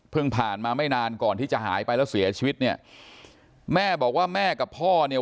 ผ่านมาไม่นานก่อนที่จะหายไปแล้วเสียชีวิตเนี่ยแม่บอกว่าแม่กับพ่อเนี่ย